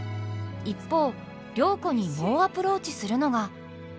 一方良子に猛アプローチするのが。